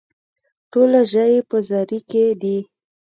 ټوله ژوي په زاري کې دي.